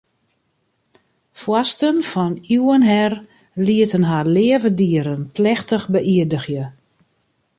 Foarsten fan iuwen her lieten har leave dieren plechtich beïerdigje.